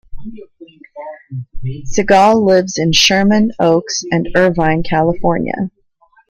Siegel lives in Sherman Oaks and Irvine, California.